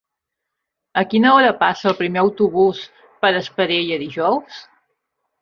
A quina hora passa el primer autobús per Espadella dijous?